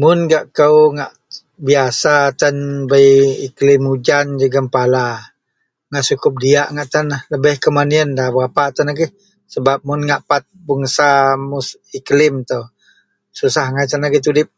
Mun gak kou ngak biyasa tan bei iklim ujan jegem pala ngak sukup diyak ngak tan lah lebeh kuman iyen nda berapa agei mun ngak pat bangsa mus iklim susah angai tan tudip.